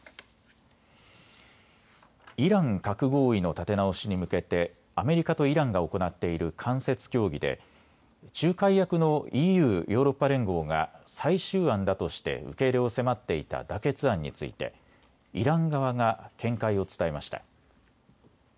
イラン核合意の立て直しに向けてアメリカとイランが行っている間接協議で仲介役のＥＵ・ヨーロッパ連合が最終案だとして受け入れを迫っていた妥結案についてイラン側が見解を伝えました。